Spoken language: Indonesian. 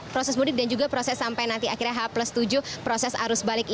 proses mudik dan juga proses sampai nanti akhirnya h tujuh proses arus balik ini